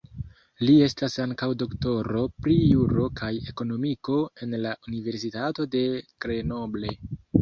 Il estas ankaŭ doktoro pri juro kaj ekonomiko en la Universitato de Grenoble.